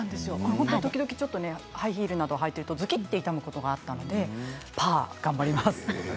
時々ハイヒールを履いているとずきっと痛むことがあったのでパーを頑張ります。